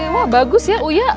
wah bagus ya uya